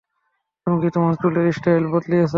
তুমি কি তোমার চুলের স্টাইল বদলিয়েছো?